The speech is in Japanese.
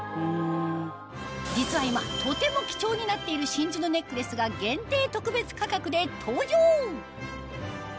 実は今とても貴重になっている真珠のネックレスがで登場！